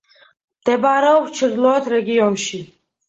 მდებარეობს ჩრდილოეთ რეგიონში.